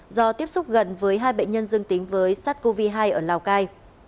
do tiếp xúc gần với hai bệnh nhân dương tính với sars cov hai ở lào cai